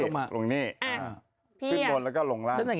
ขึ้นบนแล้วก็ลงล่าง